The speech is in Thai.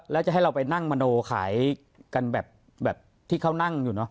แล้วจะให้เราไปนั่งมโนขายกันแบบที่เขานั่งอยู่เนอ